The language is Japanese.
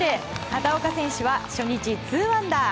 畑岡選手は初日２アンダー。